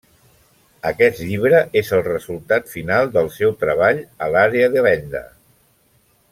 Aquest llibre és el resultat final del seu treball a l'àrea de Venda.